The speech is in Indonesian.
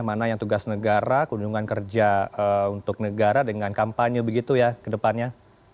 mana yang tugas negara kunjungan kerja untuk negara dengan kampanye begitu ya ke depannya